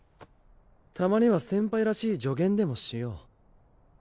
「たまには先輩らしい助言でもしよう」